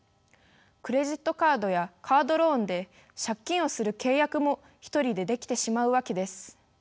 クレジットカードやカードローンで借金をする契約も一人でできてしまうわけです。